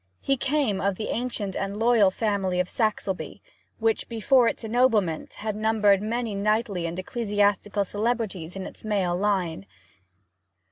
He came of the ancient and loyal family of Saxelbye, which, before its ennoblement, had numbered many knightly and ecclesiastical celebrities in its male line.